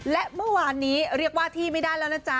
และเมื่อวานนี้เรียกว่าที่ไม่ได้แล้วนะจ๊ะ